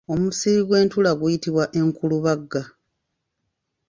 Omusiri gw'entula guyitibwa enkulubagga.